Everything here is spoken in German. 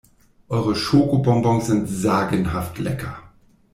Eure Schoko-Bonbons sind sagenhaft lecker!